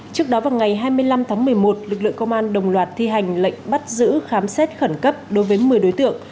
trước đó vào ngày hai mươi năm tháng một mươi một lực lượng công an đồng loạt thi hành lệnh bắt giữ khám xét khẩn cấp đối với một mươi đối tượng